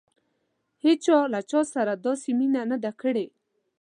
هېڅچا له تا سره داسې مینه نه ده کړې.